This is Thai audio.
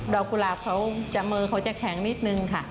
ดอกกุระเขาเจ้ามือจะแข็งนิดหนึ่งค่ะ